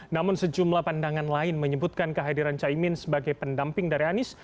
namun sejumlah pandangan lain menyebutkan kehadiran caimin sebagai pendamping dari anies